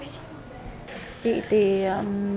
chị thì một mươi năm tuổi lấy chóng